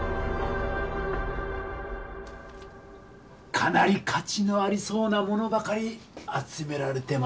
かなり価値のありそうなものばかり集められてますなぁ。